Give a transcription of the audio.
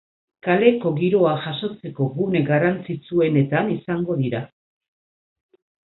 Kaleko giroa jasotzeko gune garrantzitsuenetan izango dira.